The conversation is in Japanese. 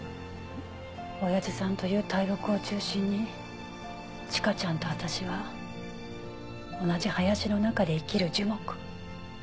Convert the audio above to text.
おやじさんという大木を中心に千佳ちゃんと私は同じ林の中で生きる樹木。